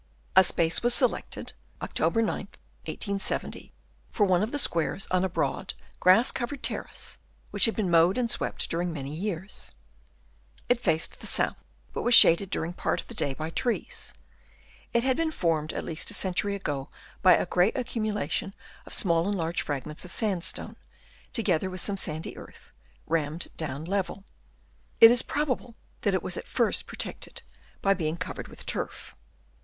A space was selected (October 9th, 1870) for one of the squares on a broad, grass covered terrace, which had been mowed and swept during many years. It faced the south, but Chap. III. BEOUGHT UP BY WORMS. 169 was shaded during part of the day by trees. It had been formed at least a century ago by a great accumulation of small and large frag ments of sandstone, together with some sandy earth, rammed down level. It is probable that it was at first protected by being covered with turf.